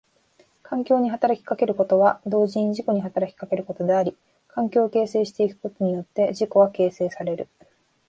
環境に働きかけることは同時に自己に働きかけることであり、環境を形成してゆくことによって自己は形成される。